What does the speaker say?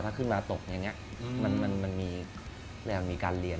ถ้าขึ้นมาตกอย่างนี้มันมีแนวมีการเรียน